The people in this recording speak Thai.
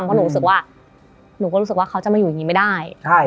เพราะหนูรู้สึกว่าหนูก็รู้สึกว่าเขาจะมาอยู่อย่างนี้ไม่ได้